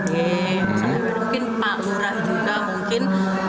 mungkin pak lura juga mungkin